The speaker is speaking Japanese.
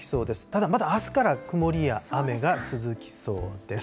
ただ、またあすから曇りや雨が続きそうです。